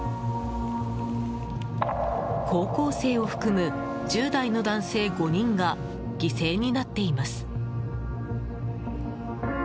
高校生を含む１０代の男性５人が犠牲になっています。